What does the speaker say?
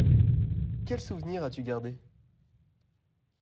Quel souvenir as-tu gardé?